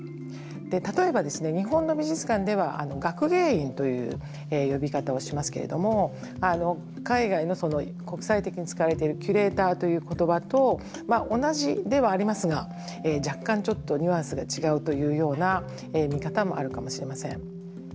例えばですね日本の美術館では学芸員という呼び方をしますけれども海外の国際的に使われているキュレーターという言葉と同じではありますが若干ニュアンスが違うというような見方もあるかもしれません。